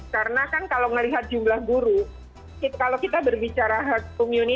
karena kan kalau melihat jumlah guru kalau kita berbicara hatung